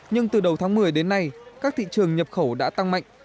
nhưng từ đầu tháng một mươi đến nay các thị trường nhập khẩu đã tăng mạnh